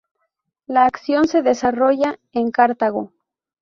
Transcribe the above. La acción se desarrolla en Cartago.